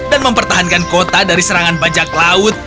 dan mempertahankan kota dari serangan bajak laut